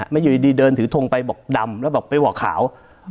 อยู่ดีเดินถือทงไปบอกดำแล้วบอกไปบอกขาว